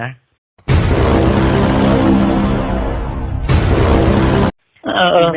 ขอบคุณทุกคน